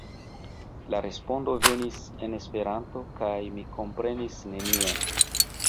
La respondo venis en Esperanto kaj mi komprenis nenion.